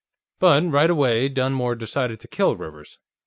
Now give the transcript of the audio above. "But, right away, Dunmore decided to kill Rivers.